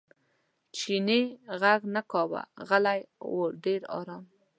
چیني غږ نه کاوه غلی و ډېر ارام.